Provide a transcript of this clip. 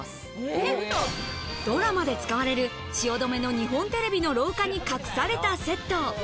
ドラマで使われる、汐留の日本テレビの廊下に隠されたセット。